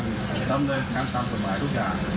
ทำได้งานตามสำหรับทุกอย่าง